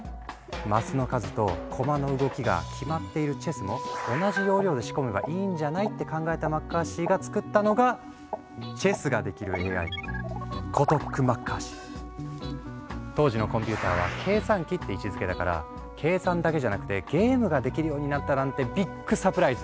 マスの数と駒の動きが決まっているチェスも同じ要領で仕込めばいいんじゃない？って考えたマッカーシーが作ったのがチェスができるＡＩ当時のコンピューターは計算機って位置づけだから計算だけじゃなくてゲームができるようになったなんてビッグサプライズ。